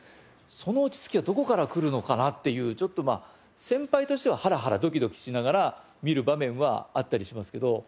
その落ち着きはどこから来るのかなっていうちょっとまあ先輩としてはハラハラドキドキしながら見る場面はあったりしますけど。